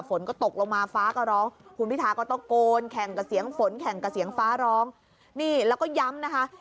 ฝนก็ตกลงมาฟ้าก็ร้องคุณพิทาก็ตะโกนแข่งกับเสียงฝนแข่งกับเสียงฟ้าร้องนี่แล้วก็ย้ำนะคะ